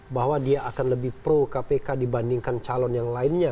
bahwa dia akan lebih pro kpk dibandingkan calon yang lainnya